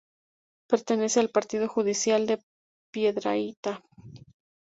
Pertenece al partido judicial de Piedrahíta.